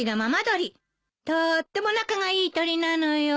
とーっても仲がいい鳥なのよ。